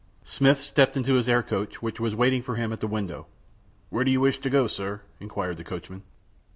Smith stepped into his air coach, which was in waiting for him at a window. "Where do you wish to go, sir?" inquired the coachman.